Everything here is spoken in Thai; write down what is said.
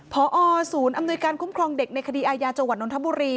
พอศูนย์อำนวยการคุ้มครองเด็กในคดีอาญาจังหวัดนทบุรี